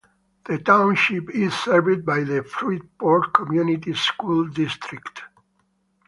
The township is served by the Fruitport Community Schools district.